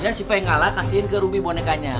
ya siapa yang ngalah kasihin ke ruby bonekanya